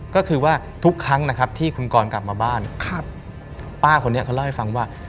ก็คือว่าทุกครั้งนะครับที่คุณกรกลับมาบ้านป้าคนนี้เขาเล่าให้ฟังว่า